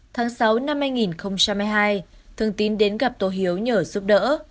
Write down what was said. tháng sáu năm hai nghìn hai mươi hai thường tín đến gặp tô hiếu nhờ giúp đỡ